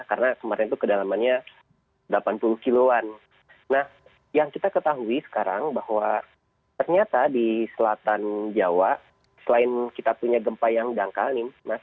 karena kemarin itu kedalamannya delapan puluh kiloan nah yang kita ketahui sekarang bahwa ternyata di selatan jawa selain kita punya gempa yang dangkal nih